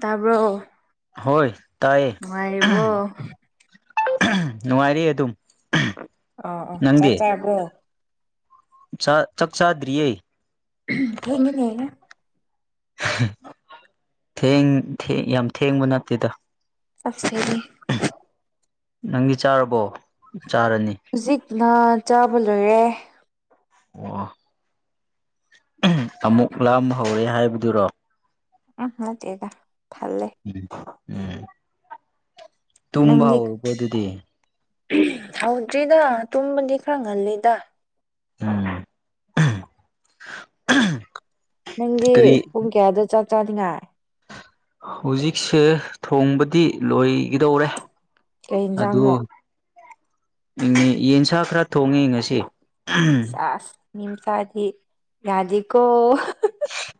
ꯇꯥꯕ꯭ꯔꯣ ꯍꯣꯏ ꯍꯣꯏꯌꯦ ꯅꯨꯡꯉꯥꯏꯔꯤꯕꯣ ꯅꯨꯡꯉꯥꯏꯔꯤ ꯑꯗꯨꯝ ꯑꯥ ꯑꯥ ꯆꯥꯛ ꯆꯥꯔꯕ꯭ꯔꯣ ꯆꯥ ꯆꯥꯛ ꯆꯥꯗ꯭ꯔꯤꯌꯦ ꯊꯦꯡꯉꯤꯅꯦ ꯊꯦꯡ ꯌꯥꯝ ꯊꯦꯡꯕ ꯅꯠꯇꯦꯗ ꯑꯁ ꯊꯦꯡꯉꯦ ꯅꯪꯗꯤ ꯆꯥꯔꯕꯣ ꯆꯥꯔꯅꯤ ꯍꯧꯖꯤꯛꯅ ꯆꯥꯕ ꯂꯣꯏꯔꯦ ꯑꯣ ꯑꯃꯨꯛ ꯂꯥꯝ ꯍꯧꯔꯦ ꯍꯥꯏꯕꯗꯨꯔꯣ ꯎꯝ ꯅꯠꯇꯦꯗ ꯊꯜꯂꯦ ꯎꯝ ꯎꯝ ꯇꯨꯝꯕ ꯍꯧꯔꯨꯕꯗꯨꯗꯤ ꯎꯝ ꯍꯧꯗ꯭ꯔꯤꯗ ꯇꯨꯝꯕꯗꯤ ꯈꯔ ꯉꯜꯂꯤꯗ ꯎꯝ [unintelligible] ꯅꯪꯗꯤ ꯄꯨꯡ ꯀꯌꯥꯗ ꯆꯥꯛ ꯆꯥꯅꯤꯡꯉꯥꯏ ꯍꯨꯖꯤꯛꯁꯦ ꯊꯣꯡꯕꯗꯤ ꯂꯣꯏꯒꯗꯧꯔꯦ ꯀꯩ ꯑꯗꯣ ꯌꯦꯟꯖꯥꯡꯅꯣ ꯌꯦ ꯌꯦꯟꯁꯥ ꯈꯔ ꯊꯣꯡꯉꯤ ꯉ ꯁꯦꯁ ꯃꯤ ꯃꯆꯥꯗꯤ ꯌꯥꯗꯦꯀꯣ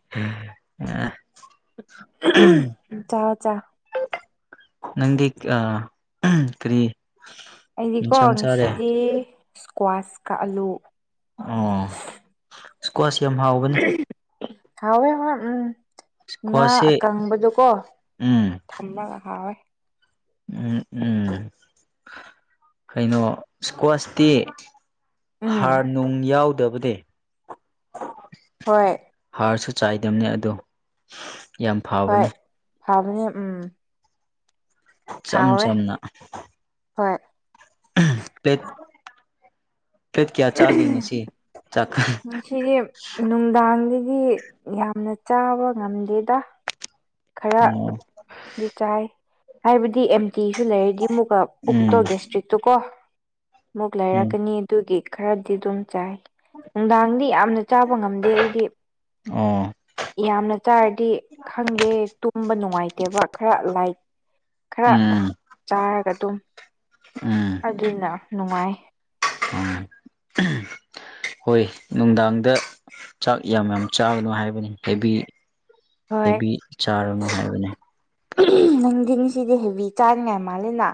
[unintelligible] ꯎꯝ ꯆꯥꯎ ꯆꯥꯎ ꯅꯪꯒꯤ ꯑ ꯎꯝ ꯀ꯭ꯔꯤ ꯑꯩꯗꯤꯀꯣ ꯉꯁꯤꯗꯤ ꯏꯁꯀ꯭ꯋꯥꯁꯀ ꯑꯂꯨ ꯑꯣ ꯏꯁꯀꯋꯥꯁ ꯌꯥꯝ ꯍꯥꯎ [unintelligible] ꯍꯥꯎꯋꯦ ꯍꯣꯏ ꯎꯝ ꯉꯥ ꯏꯁꯀ꯭ꯋꯥꯁꯁꯦ ꯑꯀꯪꯕꯗꯣꯀꯣ ꯎꯝ ꯊꯝꯃꯒ ꯍꯥꯎꯋꯦ ꯎꯝ ꯎꯝ ꯀꯩꯅꯣ ꯏꯁꯀ꯭ꯋꯥꯁꯇꯤ ꯎꯝ ꯍꯥꯔ ꯅꯨꯡ ꯌꯥꯎꯗꯕꯗꯦ ꯍꯣꯏ ꯍꯥꯔꯁꯨ ꯆꯥꯏꯗꯝꯅꯦ ꯑꯗꯣ ꯌꯥꯝ ꯐꯕꯅꯤ ꯍꯣꯏ ꯐꯕꯅꯦ ꯎꯝ ꯏꯆꯝ ꯍꯥꯎꯋꯦ ꯆꯝꯅ ꯍꯣꯏ ꯎꯝ ꯄ꯭ꯂꯦꯠ ꯄ꯭ꯂꯦꯠ ꯀꯌꯥ ꯆꯥꯒꯦ ꯉꯁꯤ ꯆꯥꯛ ꯉꯁꯤꯗꯤ ꯅꯨꯡꯗꯥꯡꯗꯗꯤ ꯌꯥꯝꯅ ꯆꯥꯕ ꯉꯝꯗꯦꯗ ꯑꯣ ꯈꯔꯗꯤ ꯆꯥꯏ ꯍꯥꯏꯕꯗꯤ ꯑꯦꯝꯇꯤꯖꯨ ꯂꯩꯔꯗꯤ ꯑꯃꯨꯛꯀ ꯄꯨꯛꯇꯣ ꯎꯝ ꯒꯦꯁꯇ꯭ꯔꯤꯛꯇꯨ ꯀꯣ ꯃꯨꯛ ꯎꯝ ꯂꯩꯔꯛꯀꯅꯤ ꯑꯗꯨꯒꯤ ꯈꯔꯗꯤ ꯑꯗꯨꯝ ꯆꯥꯏ ꯅꯨꯡꯗꯥꯡꯗꯤ ꯌꯥꯝꯅ ꯆꯥꯕ ꯉꯝꯗꯦ ꯑꯩꯗꯤ ꯑꯣ ꯌꯥꯝꯅ ꯆꯥꯔꯗꯤ ꯈꯪꯗꯦ ꯇꯨꯝꯕ ꯅꯨꯡꯉꯥꯏꯇꯦꯕ ꯈꯔ ꯂꯥꯏꯠ ꯈꯔ ꯎꯝ ꯆꯥꯔꯒ ꯑꯗꯨꯝ ꯎꯝ ꯑꯗꯨꯅ ꯅꯨꯡꯉꯥꯏ ꯎꯝ ꯍꯣꯏ ꯅꯨꯡꯗꯥꯡꯗ ꯆꯥꯛ ꯌꯥꯝ ꯌꯥꯝ ꯆꯥꯒꯅꯣ ꯍꯥꯏꯕꯅꯤ ꯍꯥꯏꯕꯅꯤ ꯍꯦꯕꯤ ꯍꯣꯏ ꯍꯦꯕꯤ ꯆꯥꯔꯨꯅꯨ ꯍꯥꯏꯕꯅꯦ [unintelligible] ꯅꯪꯗꯤ ꯉꯁꯤꯗꯤ ꯍꯦꯕꯤ ꯆꯥꯅꯤꯡꯉꯥꯏ ꯃꯥꯜꯂꯤꯅ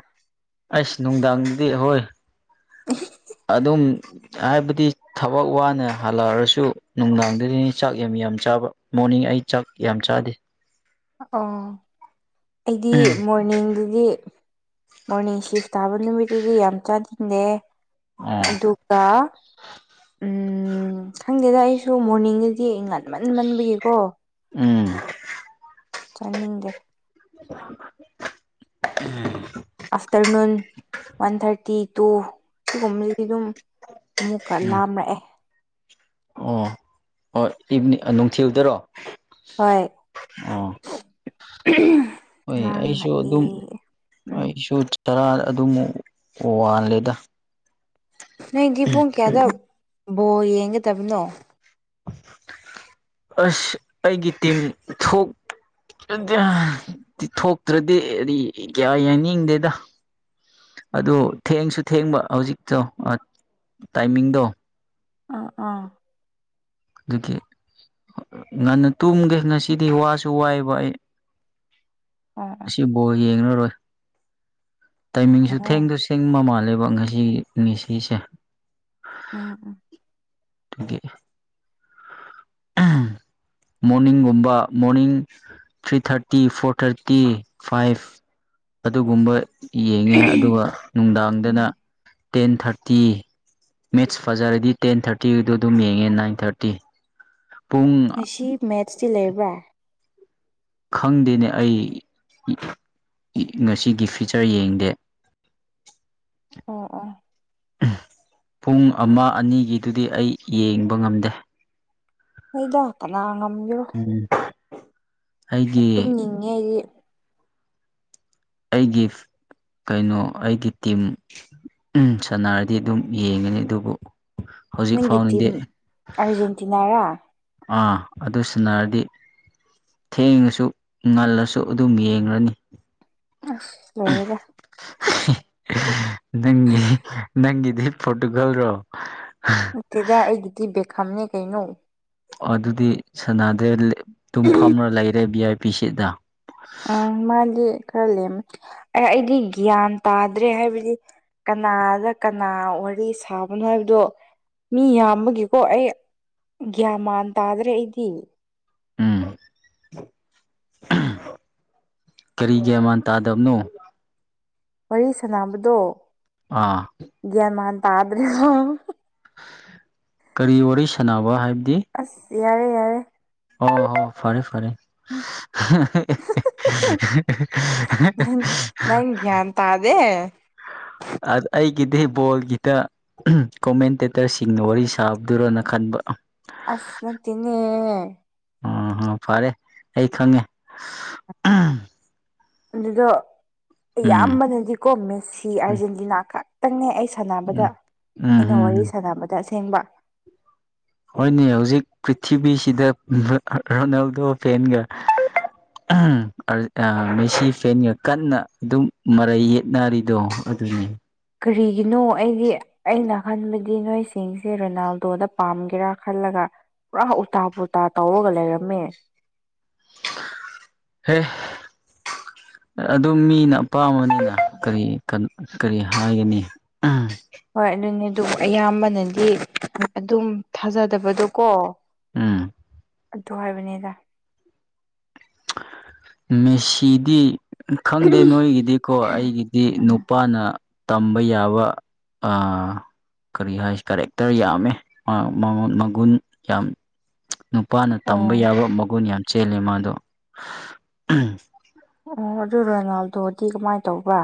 ꯑꯁ ꯅꯨꯡꯗꯥꯡꯗꯤ ꯍꯣꯏ ꯑꯗꯨꯝ ꯍꯥꯏꯕꯗꯤ ꯊꯕꯛ ꯋꯥꯅ ꯍꯜꯂꯛꯑꯔꯁꯨ ꯅꯨꯡꯗꯥꯡꯗꯗꯤ ꯆꯥꯛ ꯌꯥꯝ ꯌꯥꯝ ꯆꯥꯕ ꯃꯣꯔꯅꯤꯡ ꯑꯩ ꯆꯥꯛ ꯌꯥꯝ ꯆꯥꯗꯦ ꯑꯣ ꯑꯩꯗꯤ ꯎꯝ ꯃꯣꯔꯅꯤꯡꯗꯗꯤ ꯃꯣꯔꯅꯤꯡ ꯁꯤꯐ ꯇꯥꯕ ꯅꯨꯃꯤꯠꯇꯨꯗꯤ ꯌꯥꯝ ꯆꯥꯅꯤꯡꯗꯦ ꯑꯣ ꯑꯗꯨꯒ ꯎꯝ ꯈꯪꯗꯦꯗ ꯑꯩꯁꯨ ꯃꯣꯔꯅꯤꯡꯗꯗꯤ ꯉꯟꯃꯟꯃꯟꯕꯒꯤꯀꯣ ꯎꯝ ꯆꯥꯅꯤꯡꯗꯦ [unintelligible] ꯑꯥꯐꯇꯔꯅꯨꯟ ꯋꯥꯟ ꯊꯥꯔꯇꯤ ꯇꯨ ꯁꯤꯒꯨꯝꯕꯗꯤ ꯑꯗꯨꯝ ꯑꯃꯨꯛꯀ ꯎꯝ ꯂꯥꯝꯔꯛꯑꯦ꯫ ꯑꯣ ꯍꫭꯏ ꯏꯚꯅꯤ ꯅꯨꯡꯊꯤꯜꯗꯔꯣ꯫ ꯍꯣꯏ ꯑꯣ [unintelligible] [unintelligible] ꯍꯣꯏ ꯑꯩꯁꯨ ꯂꯥꯝꯔꯛꯑꯦ ꯑꯗꯨꯝ ꯎꯝ ꯑꯩꯁꯨ ꯆ ꯇꯔꯥ ꯑꯗꯨꯃꯨꯛ ꯋꯥꯜꯂꯦꯗ꯫ ꯅꯣꯏꯗꯤ ꯄꯨꯡ ꯀꯌꯥꯗ ꯕꯣꯜ ꯌꯦꯡꯒꯗꯕꯅꯣ꯫ [unintelligible] ꯑꯁ ꯑꯩꯒꯤ ꯇꯤꯝ ꯊꯣꯛ ꯑꯗꯤ [unintelligible] ꯊꯣꯛꯇ꯭ꯔꯗꯤ ꯔꯤ ꯀꯌꯥ ꯌꯦꯡꯅꯤꯡꯗꯦꯗ꯫ ꯑꯗꯨ ꯊꯦꯡꯁꯨ ꯊꯦꯡꯕ ꯍꯧꯖꯤꯛꯇꯣ ꯑ ꯇꯥꯏꯃꯤꯡꯗꯣ꯫ ꯑꫭ ꯑꫭ꯫ ꯑꯗꯒꯤ ꯉꯟꯅ ꯇꯨꯝꯒꯦ ꯉꯁꯤꯗꯤ ꯋꯥꯁꯨ ꯋꯥꯌꯦꯕ ꯑꯩ꯫ ꯑꯣ꯫ ꯉꯁꯤ ꯕꫭꯜ ꯌꯦꯡꯔꯔꯣꯏ꯫ ꯇꯥꯏꯃꯤꯡꯁꯨ ꯑꯣ ꯊꯦꯡꯗꯨ ꯁꯦꯡ ꯃꯥꯜꯂꯦꯕ ꯉꯁꯤ ꯉꯁꯤꯁꯦ꯫ ꯎꯝ ꯎꯝ ꯗꯨꯒꯤ꯫ [unintelligible] ꯃꯣꯔꯅꯤꯡꯒꯨꯝꯕꯥ morning three thirty four thirty five ꯑꯗꯨꯒꯨꯝꯕ ꯌꯦꯡꯉꯦ ꯑꯗꯨꯒ ꯎꯝ ꯅꯨꯡꯗꯥꯡꯗꯅ ꯇꯦꯟ ꯊꯥꯔꯇꯤ꯫ ꯃꯦꯠꯁ ꯐꯖꯔꯗꯤ ꯇꯦꯟ ꯊꯥꯔꯇꯤꯒꯤꯗꯣ ꯑꯗꯨꯝ ꯌꯦꯡꯉꯦ ꯅꯥꯏꯟ ꯊꯥꯔꯇꯤ ꯄꯨꯡ ꯁꯤ ꯃꯦꯠꯁꯇꯤ ꯂꯩꯕ꯭ꯔꯥ꯫ ꯈꯪꯗꯦꯅꯦ ꯑꯩ [unintelligible] ꯉꯁꯤꯒꯤ ꯐꯤꯆꯔ ꯌꯦꯡꯗꯦ꯫ ꯑꯣ ꯑꯣ꯫ [unintelligible] ꯄꯨꯡ ꯑꯃ ꯑꯅꯤꯒꯤꯗꯨꯗꯤ ꯑꯩ ꯌꯦꯡꯕ ꯉꯝꯗꯦ꯫ ꯍꫭꯏꯗꯥ ꯀꯅꯥ ꯉꯝꯒꯦꯔꯣ꯫ ꯎꯝ ꯑꯩꯒꯤ ꯇꯨꯝꯅꯤꯡꯉꯦ ꯑꯩꯗꯤ꯫ ꯑꯩꯒꯤ [unintelligible] ꯀꯩꯅꯣ ꯑꯩꯒꯤ ꯇꯤꯝ ꯎꯝ ꯁꯥꯟꯅꯔꯗꯤ ꯑꯗꯨꯝ ꯌꯦꯡꯉꯅꯤ ꯑꯗꯨꯕꯨ ꯍꯧꯖꯤꯛ ꯅꯪꯒꯤ ꯇꯤꯝ ꯐꯥꯎꯅꯗꯤ ꯑꯔꯖꯦꯟꯇꯤꯅꯥꯔꯥ꯫ ꯑꯥ ꯑꯗꯨ ꯁꯅꯥꯔꯗꯤ ꯊꯦꯡꯉꯁꯨ ꯉꯜꯂꯁꯨ ꯑꯗꯨꯝ ꯌꯦꯡꯔꯅꯤ꯫ ꯑꯁ ꯂꯣꯏꯔꯦꯗ꯫ [unintelligible] ꯅꯪꯒꯤ ꯅꯪꯒꯤꯗꯤ ꯄꯣꯔꯇꯨꯒꯜꯔꯣ [unintelligible] ꯅꯇꯦꯗ ꯑꯩꯒꯤꯗꯤ ꯕꯦꯈꯝꯅꯦ ꯀꯩꯅꯣ꯫ ꯑꯗꯨꯗꯤ ꯁꯅꯥꯗꯦ ꯂꯦ ꯑꯗꯨꯝ ꯐꯝꯔ ꯂꯩꯔꯦ ꯚꯤ ꯑꯥꯏ ꯄꯤ ꯁꯤꯠꯗ꯫ ꯎꯝ ꯃꯥꯗꯤ ꯈꯔ ꯂꯦꯝꯑꯦ ꯑꯩ ꯑꯩꯗꯤ ꯒ꯭ꯌꯥꯟ ꯇꯥꯗ꯭ꯔꯦ ꯍꯥꯏꯕꯗꯤ ꯀꯅꯥꯗ ꯀꯅꯥ ꯋꯥꯔꯤ ꯁꯥꯕꯅꯣ ꯍꯥꯏꯕꯗꯣ꯫ ꯃꯤ ꯌꯥꯝꯕꯒꯤꯀꯣ ꯑꯩ ꯒ꯭ꯌꯥꯟ ꯃꯥꯟ ꯇꯥꯗ꯭ꯔꯦ ꯑꯩꯗꯤ꯫ ꯎꯝ [unintelligible] ꯀꯔꯤ ꯒ꯭ꯌꯥꯟ ꯃꯥꯟ ꯇꯥꯗꯕꯅꯣ꯫ ꯋꯥꯔꯤ ꯁꯥꯟꯅꯕꯗꯣ꯫ ꯑꯥ꯫ ꯒ꯭ꯌꯥꯟꯃꯥꯟ ꯇ꯭ꯔꯦꯕ [unintelligible] ꯀꯔꯤ ꯋꯥꯔꯤ ꯁꯥꯟꯅꯕ ꯍꯥꯏꯕꯗꯤ ꯑꯁ ꯌꯥꯔꯦ ꯌꯥꯔꯦ ꯑꯣ ꯍꯣ ꯐꯔꯦ ꯐꯔꯦ [inaudible] ꯅꯪ ꯅꯪ ꯒ꯭ꯌꯥꯟ ꯇꯥꯗꯦ ꯑꯩꯒꯤꯗꯤ ꯕꯣꯜꯒꯤꯗ ꯑꯝ ꯀꯣꯃꯦꯟꯇꯦꯇꯔꯁꯤꯡꯅ ꯋꯥꯔꯤ ꯁꯥꯕꯗꯨꯔꯣꯅ ꯈꯟꯕ ꯑꯁ ꯅꯇꯅꯦꯍꯦ ꯎꯝ ꯍꯨꯝ ꯐꯔꯦ ꯑꯩ ꯈꯪꯉꯦ ꯑꯝ ꯑꯗꯨꯗꯣ ꯎꯝ ꯎꯝ ꯑꯌꯥꯝꯕꯅꯗꯤꯀꯣ ꯃꯦꯁꯤ ꯑꯥꯔꯖꯦꯟꯇꯤꯅꯥ ꯈꯛ ꯈꯤꯇꯪꯅꯦ ꯑꯩ ꯁꯥꯟꯅꯕꯗ ꯎꯝ ꯎꯝ ꯑꯩꯅ ꯋꯥꯔꯤ ꯎꯝ ꯁꯥꯟꯅꯕꯗ ꯑꯁꯦꯡꯕ ꯍꯣꯏꯅꯦ ꯍꯧꯖꯤꯛ ꯄ꯭ꯔꯤꯊꯤꯕꯤꯁꯤꯗ ꯔꯣꯅꯥꯜꯗꯣ ꯐꯚꯦꯟꯒ ꯑꯝ ꯃꯦꯁꯤ ꯐꯦꯟꯒ ꯀꯟꯅ ꯑꯗꯨꯝ ꯃꯔꯩ ꯌꯦꯠꯅꯔꯤꯗꯣ ꯑꯗꯨꯅꯦ ꯀꯔꯤꯒꯤꯅꯣ ꯑꯩꯒꯤ ꯑꯩꯅ ꯈꯟꯕꯗꯤ ꯅꯣꯏꯁꯤꯡꯁꯦ ꯔꯣꯅꯥꯜꯗꯣꯗ ꯄꯥꯝꯒꯦꯔꯥ ꯈꯜꯂꯒ ꯄꯨꯔꯥ ꯎꯇꯥ ꯄꯨꯔꯇꯥ ꯇꯧꯔꯒ ꯂꯩꯔꯝꯃꯦ ꯍꯦ ꯑꯗꯨꯝ ꯃꯤꯅ ꯑꯄꯥꯝꯕꯅꯤꯅ ꯀꯔꯤ ꯀꯔꯤ ꯍꯥꯏꯒꯅꯤ [inaudible] ꯍꯣꯏ ꯑꯗꯨꯅꯦ ꯑꯗꯨꯝ ꯑꯌꯥꯝꯕꯅꯗꯤ ꯑꯗꯨꯝ ꯊꯥꯖꯗꯕꯗꯣꯀꯣ ꯎꯝ ꯑꯗꯨ ꯍꯥꯏꯕꯅꯤꯗ ꯃꯦꯁꯤꯗꯤ ꯈꯪꯗꯦ ꯅꯣꯏꯒꯤꯗꯤꯀꯣ ꯑꯩꯒꯤꯗꯤ ꯎꯝ ꯅꯨꯄꯥꯅ ꯇꯝꯕ ꯌꯥꯕ ꯑ ꯀꯔꯤ ꯍꯥꯏꯁꯤ ꯀꯦꯔꯦꯛꯇꯔ ꯌꯥꯝꯃꯦ ꯑ ꯃꯒꯨꯟ ꯌꯥꯝ ꯅꯨꯄꯥꯅ ꯑꯣ ꯇꯝꯕ ꯌꯥꯕ ꯃꯒꯨꯟ ꯌꯥꯝ ꯆꯦꯜꯂꯤ ꯃꯥꯗꯣ ꯑꯝ ꯑꯣ ꯑꯗꯨ ꯔꯣꯅꯥꯜꯗꯣꯗꯤ ꯀꯃꯥꯏꯅ ꯇꯧꯕꯥ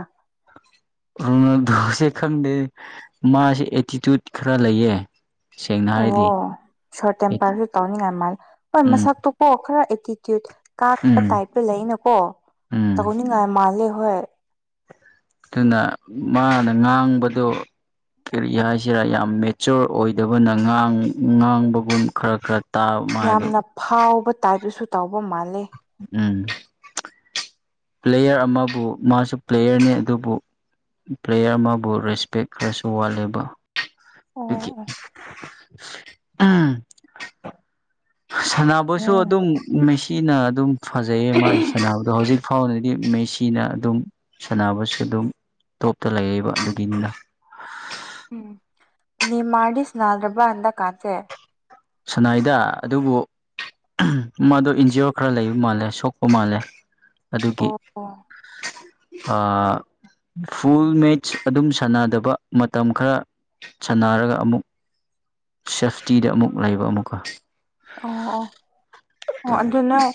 ꯔꯣꯅꯥꯜꯗꯣꯁꯦ ꯈꯪꯗꯦ ꯃꯥꯁꯦ ꯑꯦꯇꯤꯇ꯭ꯌꯨꯠ ꯈꯔ ꯂꯩꯌꯦ ꯁꯦꯡꯅ ꯍꯥꯏꯔꯗꯤ ꯑꯣ ꯁꯣꯔꯠ ꯇꯦꯝꯄꯔꯁꯨ ꯇꯧꯅꯤꯡꯉꯥꯏ ꯃꯥꯜꯂꯤ ꯍꯣꯏ ꯎꯝ ꯃꯁꯛꯇꯣꯀꯣ ꯈꯔ ꯑꯦꯇꯤꯇ꯭ꯌꯨꯠ ꯀꯥꯛꯄ ꯎꯝ ꯇꯥꯏꯞꯇ ꯂꯩꯅꯀꯣ ꯎꯝ ꯇꯧꯅꯤꯡꯉꯥꯏ ꯃꯥꯜꯂꯦ ꯍꯣꯏ ꯑꯗꯨꯅ ꯃꯥꯅ ꯉꯥꯡꯕꯗꯨ ꯀꯔꯤ ꯍꯥꯏꯁꯤꯔ ꯌꯥꯝ ꯃꯦꯆꯣꯔ ꯑꯣꯏꯗꯕꯅ ꯉꯥꯡꯕꯒꯨꯝ ꯈꯔ ꯈꯔ ꯇꯥꯕ ꯃꯥꯗꯣ ꯌꯥꯝꯅ ꯐꯥꯎꯕ ꯇꯥꯏꯞꯇꯁꯨ ꯇꯥꯎꯕ ꯃꯥꯂꯦ ꯎꯝ ꯄ꯭ꯂꯦꯌꯔ ꯑꯃꯕꯨ ꯃꯥꯁꯨ ꯄ꯭ꯂꯦꯌꯔꯅꯤ ꯑꯗꯨꯕꯨ ꯄ꯭ꯂꯦꯌꯔ ꯑꯃꯕꯨ ꯔꯦꯁꯄꯦꯛ ꯈꯔꯁꯨ ꯋꯥꯠꯂꯦꯕ ꯎꯝ ꯎꯝ ꯁꯥꯟꯅꯕꯁꯨ ꯑꯗꯨꯝ ꯃꯦꯁꯤꯅ ꯑꯗꯨꯝ ꯐꯖꯩꯌꯦ ꯃꯥꯏ ꯁꯥꯟꯅꯕꯗꯣ ꯍꯧꯖꯤꯛ ꯐꯥꯎꯅꯗꯤ ꯃꯦꯁꯤꯅ ꯑꯗꯨꯝ ꯁꯥꯟꯅꯕꯁꯨ ꯑꯗꯨꯝ ꯇꯣꯞꯇ ꯂꯩꯌꯦꯕ ꯑꯗꯨꯒꯤꯅꯤꯗ ꯎꯝ ꯅꯦꯃꯔꯗꯤ ꯁꯥꯟꯅꯗꯕꯔꯥ ꯍꯟꯗꯛꯀꯥꯟꯁꯦ ꯁꯥꯟꯅꯥꯏꯗ ꯑꯗꯨꯕꯨ ꯃꯥꯗꯣ ꯏꯟꯖꯨꯔ ꯈꯔ ꯂꯩꯕ ꯃꯥꯜꯂꯦ ꯁꯣꯛꯄ ꯃꯥꯜꯂꯦ ꯑꯗꯨꯒꯤ [inaudible] ꯑ ꯐꯨꯜ ꯃꯦꯆꯁ ꯑꯗꯨꯝ ꯁꯥꯟꯅꯗꯕ ꯃꯇꯝ ꯈꯔ ꯁꯥꯟꯅꯔꯒ ꯑꯃꯨꯛ ꯁꯦꯐꯇꯤꯗ ꯑꯃꯨꯛ ꯂꯩꯕ ꯑꯃꯨꯛꯀ ꯑꯣ ꯑꯣ ꯑꯣ ꯑꯗꯨ ꯅꯣꯏ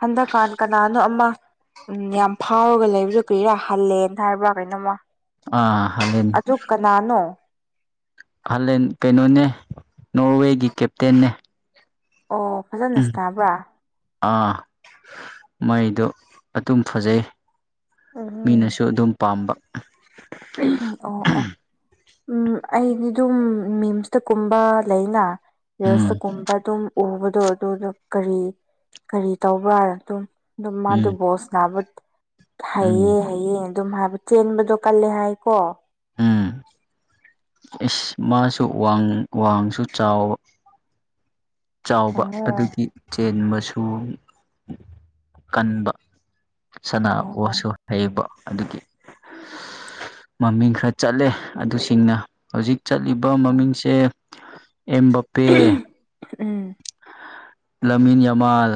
ꯍꯟꯗꯛꯀꯥꯟ ꯀꯅꯥꯅꯣ ꯑꯃ ꯎꯝ ꯌꯥꯝ ꯐꯥꯎꯔꯒ ꯂꯩꯕꯗꯨ ꯀꯔꯤꯔꯥ ꯍꯜꯂꯦꯟ ꯍꯥꯏꯕ꯭ꯔꯥ ꯀꯩꯅꯣꯝꯃꯣ ꯑꯥ ꯍꯂꯥꯟ ꯀꯅꯥꯅꯣ ꯍꯂꯦꯟ ꯀꯩꯅꯣꯅꯦ ꯅꯣꯔꯋꯦꯒꯤ ꯀꯦꯞꯇꯦꯟ ꯅꯦ ꯑꯣ ꯐꯖꯅꯁꯨ ꯇꯕ꯭ꯔꯥ ꯑꯥ ꯃꯣꯏꯗꯣ ꯑꯗꯨꯝ ꯐꯖꯩ ꯃꯤꯅꯁꯨ ꯑꯣ ꯑꯗꯨꯝ ꯄꯥꯝꯕ ꯑꯣ ꯑꯣ ꯎꯝ ꯑꯩꯗꯤ ꯗꯨꯝ ꯃꯤꯝꯁꯇꯀꯨꯝꯕ ꯂꯩꯅ ꯎꯝ ꯔꯤꯜꯁꯇꯥ ꯀꯨꯝꯕ ꯑꯗꯨꯝ ꯎꯕꯗꯣ ꯑꯗꯨꯗꯣ ꯀꯔꯤ ꯀꯔꯤ ꯇꯧꯕ꯭ꯔꯥ ꯑꯗꯨꯝ ꯑꯗꯨꯝ ꯎꯝ ꯃꯥꯗꯨ ꯕꯣꯁ ꯅꯥꯕ ꯍꯩꯌꯦ ꯎꯝ ꯍꯩꯌꯦ ꯑꯗꯨꯝ ꯍꯥꯏꯕ ꯆꯦꯟꯕꯗꯣ ꯀꯜꯂꯦ ꯍꯥꯏꯀꯣ ꯎꯝ ꯏꯁ ꯃꯥꯁꯨ ꯋꯥꯡ ꯋꯥꯡꯁꯨ ꯆꯥꯎꯕ ꯆꯥꯎꯕ ꯑꯗꯨꯒꯤ ꯆꯦꯟꯕꯁꯨ ꯀꯟꯕ ꯁꯅꯥꯕꯨꯁꯨ ꯍꯩꯕ ꯑꯗꯨꯒꯤ ꯃꯃꯤꯡ ꯈꯔ ꯆꯠꯂꯦ ꯑꯗꯨꯁꯤꯡꯅ ꯍꯧꯖꯤꯛ ꯆꯠꯂꯤꯕ ꯃꯃꯤꯡꯁꯦ ꯑꯦꯝꯕꯞꯄꯦ ꯎꯝ Lamine Yamal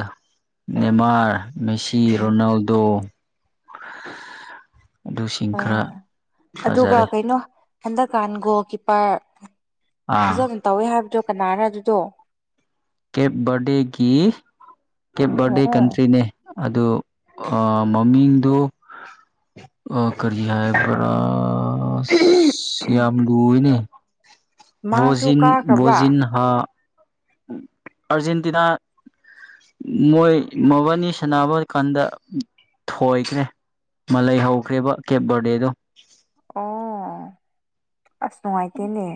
Neymar Messi Ronaldo ꯑꯗꯨꯁꯤꯡ ꯑꯣ ꯈꯔ ꯑꯗꯨꯒ ꯐꯖꯔꯦ ꯀꯩꯅꯣ ꯍꯟꯗꯛꯀꯥꯟ ꯒꯣꯜ ꯀꯤꯞꯄꯔ ꯑꯥ ꯐꯖꯅ ꯇꯧꯋꯦ ꯍꯥꯏꯕꯗꯣ ꯀꯅꯥꯔ ꯑꯗꯨꯗꯣ ꯀꯦꯞ ꯕꯔꯗꯦꯒꯤ ꯀꯦꯞ ꯕꯥꯔꯗꯦ ꯑꯣ ꯀꯟꯇ꯭ꯔꯤꯅꯦ ꯑꯗꯨ ꯑꯥ ꯃꯃꯤꯡꯗꯨ ꯑ ꯀꯔꯤ ꯍꯥꯏꯕ꯭ꯔ ꯌꯥꯝ ꯂꯨꯏꯅꯦ ꯃꯥꯁꯨ ꯕꯣꯖꯤꯟ ꯀꯥꯈ꯭ꯔꯕ꯭ꯔꯥ ꯕꯣꯖꯤꯟ ꯍꯥ ꯑꯔꯖꯦꯟꯇꯤꯅꯥ ꯃꯣꯏ ꯃꯕꯥꯅꯤ ꯁꯥꯟꯅꯕ ꯀꯥꯟꯗ ꯊꯣꯏꯈ꯭ꯔꯦ ꯃꯥ ꯂꯩꯍꯧꯈ꯭ꯔꯦꯕ ꯀꯦꯞ ꯕꯔꯗꯦꯗꯣ ꯑꯣ ꯑꯁ ꯅꯨꯡꯉꯥꯏꯇꯦꯅꯦ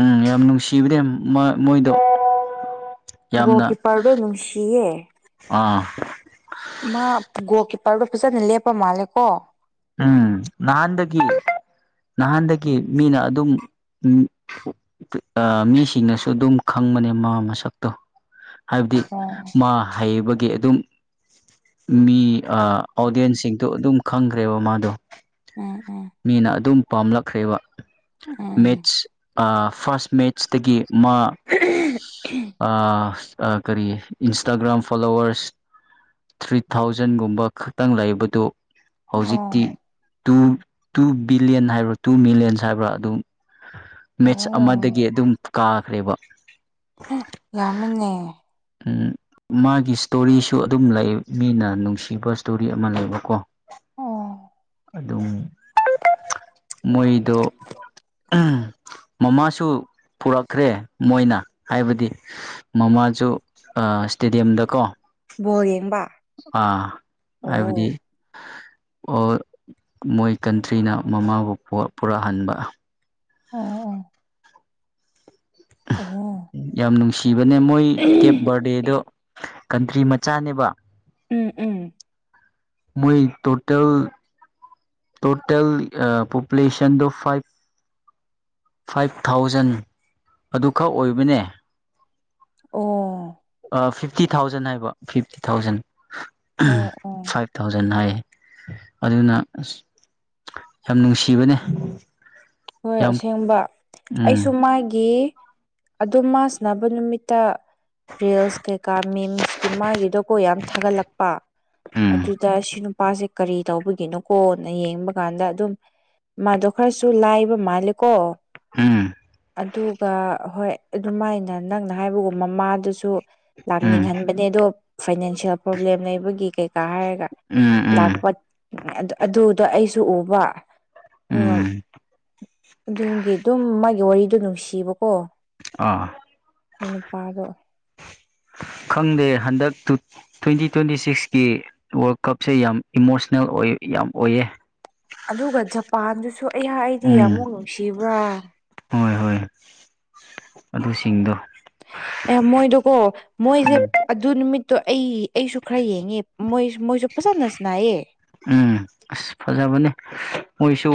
ꯎꯝ ꯌꯥꯝ ꯅꯨꯡꯁꯤꯕꯅꯦ ꯃ ꯃꯣꯏꯗꯣ ꯒꯣꯜ ꯌꯥꯝꯅ ꯀꯤꯞꯄꯔꯗꯣ ꯅꯨꯡꯁꯤꯌꯦ ꯑꯥ ꯃꯥ ꯒꯣꯜ ꯀꯤꯄꯔꯗꯣ ꯐꯖꯅ ꯂꯦꯞꯄ ꯃꯥꯜꯂꯦꯀꯣ ꯎꯝ ꯅꯍꯥꯟꯗꯒꯤ ꯅꯍꯥꯟꯗꯒꯤ ꯃꯤꯅ ꯑꯗꯨꯝ ꯎꯝ ꯑꯥ ꯃꯤꯁꯤꯡꯅꯁꯨ ꯗꯨꯝ ꯈꯪꯕꯅꯦ ꯃꯥ ꯃꯁꯛꯇꯣ ꯑꯣ ꯍꯥꯏꯕꯗꯤ ꯃꯥ ꯍꯩꯕꯒꯤ ꯑꯗꯨꯝ ꯃꯤ ꯑꯥ ꯑꯣꯗꯤꯌꯦꯟꯁꯤꯡꯗꯣ ꯑꯗꯨꯝ ꯈꯪꯈ꯭ꯔꯦꯕ ꯃꯥꯗꯣ ꯎꯝ ꯎꯝ ꯃꯤꯅ ꯑꯗꯨꯝ ꯄꯥꯝꯂꯛꯈ꯭ꯔꯦꯕ ꯎꯝ ꯃꯦꯠꯁ ꯑꯥ ꯐꯥꯔꯁ ꯃꯦꯠ ꯏꯁꯇꯒꯤ ꯃꯥ ꯑꯥꯁ ꯑꯥ ꯀꯔꯤ ꯏꯟꯁꯇꯥꯒ꯭ꯔꯥꯝ ꯐꯣꯂꯣꯋꯔꯁ ꯊ꯭ꯔꯤ ꯊꯥꯎꯖꯟꯒꯨꯝꯕ ꯈꯠꯇꯪ ꯂꯩꯕꯗꯨ ꯍꯧꯖꯤꯛꯇꯤ ꯑꯣ ꯇꯨ ꯇꯨ ꯕꯤꯂꯤꯌꯟ ꯍꯥꯏꯕ꯭ꯔꯥ ꯇꯨ ꯃꯤꯂꯤꯌꯟꯁ ꯍꯥꯏꯕ꯭ꯔꯥ ꯑꯗꯨꯝ ꯃꯦꯠꯆ ꯑꯣ ꯑꯃꯗꯒꯤ ꯑꯗꯨꯝ ꯀꯥꯈ꯭ꯔꯦꯕ ꯌꯥꯝꯃꯤꯅꯦ ꯃꯥꯒꯤ ꯏꯁꯇꯣꯔꯤꯁꯨ ꯑꯗꯨꯝ ꯂꯩ ꯃꯤꯅ ꯅꯨꯡꯁꯤꯕ ꯏꯁꯇꯣꯔꯤ ꯑꯃ ꯂꯩꯕꯀꯣ ꯑꯣ ꯑꯗꯨꯝ ꯃꯣꯏꯗꯣ ꯎꯝ ꯃꯃꯥꯁꯨ ꯄꯨꯔꯛꯈ꯭ꯔꯦ ꯃꯣꯏꯅ ꯍꯥꯏꯕꯗꯤ ꯃꯃꯥꯁꯨ ꯏꯁꯇꯦꯗꯤꯌꯝꯗꯀꯣ ꯕꯣꯜ ꯌꯦꯡꯕ ꯑꯥ ꯍꯥꯏꯕꯗꯤ ꯑꯣ ꯑꯣ ꯃꯣꯏ ꯀꯟꯇ꯭ꯔꯤꯅ ꯃꯃꯥꯕꯨ ꯄꯨꯔꯛꯄ ꯍꯪꯕ ꯑꯣ ꯑꯣ ꯌꯥꯝ ꯅꯨꯡꯁꯤꯕꯅꯦ ꯃꯣꯏ ꯀꯦꯞ ꯕꯥꯔꯗꯦꯗꯣ ꯀꯟꯇ꯭ꯔꯤ ꯃꯆꯥꯅꯦꯕ ꯎꯝ ꯎꯝ ꯃꯣꯏ ꯇꯣꯇꯦꯜ ꯇꯣꯇꯦꯜ ꯄꯣꯄꯨꯂꯦꯁꯟꯗꯣ ꯐꯥꯏꯚ ꯐꯥꯏꯚ ꯊꯥꯎꯖꯟ ꯑꯗꯨꯈꯛ ꯑꯣꯏꯕꯅꯦ ꯑꯣ ꯐꯤꯐꯇꯤ ꯊꯥꯎꯖꯟ ꯍꯥꯏꯕ ꯐꯤꯐꯇꯤ ꯊꯥꯎꯖꯟ ꯑꯣ ꯑꯣ ꯐꯥꯏꯚ ꯊꯥꯎꯖꯟ ꯍꯥꯏꯌꯦ ꯑꯗꯨꯅ ꯑꯁ ꯌꯥꯝ ꯅꯨꯡꯁꯤꯕꯅꯦ ꯍꯣꯏ ꯌꯥꯝ ꯑꯁꯦꯡꯕ ꯎꯝ ꯑꯩꯁꯨ ꯃꯥꯒꯤ ꯑꯗꯨ ꯃꯥ ꯁꯅꯕ ꯅꯨꯃꯤꯠꯇ ꯔꯤꯜꯁ ꯀꯩꯀꯥ ꯃꯤꯝꯁꯀꯤ ꯃꯥꯒꯤ ꯗꯣꯀꯣ ꯌꯥꯝ ꯊꯥꯒꯠꯂꯛꯄ ꯎꯝ ꯑꯗꯨꯗ ꯁꯤ ꯅꯨꯄꯥꯁꯦ ꯀꯔꯤ ꯇꯧꯕꯒꯤꯅꯣ ꯀꫭꯟꯅ ꯌꯦꯡꯕ ꯀꯥꯟꯗ ꯃꯗꫭ ꯈꯔꯁꯨ ꯂꯥꯏ ꯃꯥꯜꯂꯦꯀꯣ ꯎꯝ ꯑꯗꯨꯒ ꯍꯣꯏ ꯑꯗꯨꯃꯥꯏꯅ ꯅꯪꯅ ꯍꯥꯏꯕꯕꯨ ꯃꯃꯥꯗꯨꯁꯨ ꯎꯝ ꯂꯥꯛꯅꯤꯡꯍꯟꯕꯅꯦ ꯑꯗꯣ ꯐꯥꯏꯅꯥꯟꯁꯤꯌꯦꯜ ꯄ꯭ꯔꯣꯕ꯭ꯂꯦꯝ ꯂꯩꯕꯒꯤ ꯀꯩꯀꯥ ꯍꯥꯏꯔ ꯎꯝ ꯎꯝ ꯎꯝ ꯂꯥꯛꯄ ꯑꯗꯨꯗ ꯑꯩꯁꯨ ꯎꯕ ꯑꯗꯨꯒ ꯎꯝ ꯑꯗꯨꯒꯤ ꯑꯗꯨꯝ ꯃꯥꯒꯤ ꯋꯥꯔꯤꯗꯨ ꯑꯗꯨꯝ ꯁꯤꯕꯀꯣ ꯑꯥ ꯑꯗꯨ ꯅꯨꯄꯥꯗꯣ ꯈꯪꯗꯦ ꯍꯟꯗꯛꯇꯨ ꯇ꯭ꯋꯦꯟꯇꯤ ꯇ꯭ꯋꯦꯟꯇꯤ ꯁꯤꯛꯁꯀꯤ ꯋꯥꯔꯜ ꯀꯞꯁꯦ ꯌꯥꯝ ꯏꯃꯣꯁꯅꯦꯜ ꯑꯣꯏ ꯌꯥꯝ ꯑꯣꯏꯌꯦ ꯑꯗꯨꯒ ꯖꯄꯥꯟꯗꯨꯁꯨ ꯑꯩ ꯍꯥꯏꯗꯤ ꯎꯝ ꯑꯃꯨꯛ ꯅꯨꯡꯁꯤꯕ꯭ꯔꯥ ꯍꯣꯏ ꯍꯣꯏ ꯑꯗꯨꯁꯤꯡꯗꯣ ꯑꯦ ꯃꯣꯏꯗꯨ ꯀꯣ ꯃꯣꯏꯖꯦ ꯑꯗꯨ ꯅꯨꯃꯤꯠꯇꯣ ꯑꯩ ꯑꯩꯁꯨ ꯈꯔ ꯌꯦꯡꯉꯦ ꯃꯣꯏ ꯃꯣꯏꯁꯨ ꯐꯖꯅ ꯁꯥꯟꯅꯩꯌꯦ ꯎꯝ ꯑꯁ ꯐꯖꯕꯅꯤ ꯃꯣꯏꯁꯨ